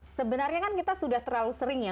sebenarnya kan kita sudah terlalu sering ya